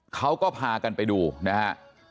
เขาก็พากันไปดูนะฮะ